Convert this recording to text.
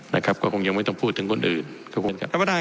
นะครับก็คงไม่ต้องพูดถึงคนอื่น